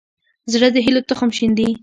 زړه د هيلو تخم شیندي.